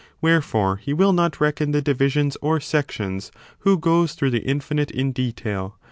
Wherefore, he will not reckon the divisions or sections who goes through the infinite in detail.